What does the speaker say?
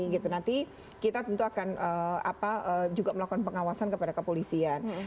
nanti kita tentu akan juga melakukan pengawasan kepada kepolisian